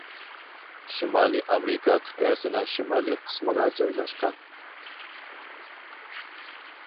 شىمالىي ئامېرىكا قىتئەسىنىڭ شىمالىي قىسمىغا جايلاشقان.